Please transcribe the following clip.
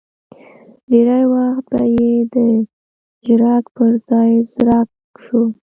ډېری وخت به یې د ژړک پر ځای زرک شو.